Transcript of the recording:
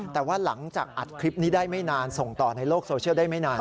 แต่ว่าหลังจากอัดคลิปนี้ได้ไม่นานส่งต่อในโลกโซเชียลได้ไม่นาน